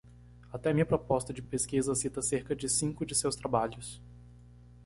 Até minha proposta de pesquisa cita cerca de cinco de seus trabalhos.